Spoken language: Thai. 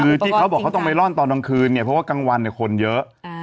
คือที่เขาบอกว่าเขาต้องไปร่อนตอนตอนคืนเพราะว่ากลางวันคนเยอะ